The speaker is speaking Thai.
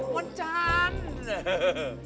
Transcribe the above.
วันจันทร์